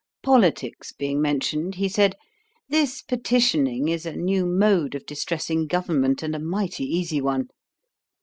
Politicks being mentioned, he said, 'This petitioning is a new mode of distressing government, and a mighty easy one.